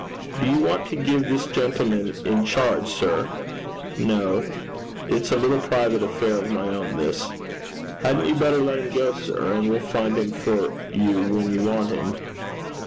'Do you want to give this gentleman in charge, sir?' 'No. It is a little private affair of my own, this.' 'Hadn't you better let him go, sir, and we'll find him for you when you want him?'